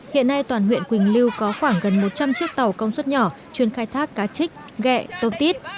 hiện nay toàn huyện quỳnh lưu có khoảng gần một trăm linh chiếc tàu công suất nhỏ chuyên khai thác cá trích ghẹ tôm tít